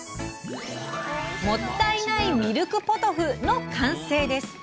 「もったいないミルクポトフ」の完成です！